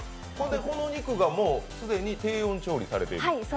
この肉が既に低温調理されている。